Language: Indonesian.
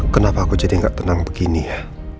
kenapa aku jadi gak tenang begini ya